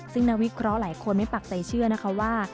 ซึ่งนักวิเคราะห์หลายคนไม่ปักใจเชื่อนะคะว่า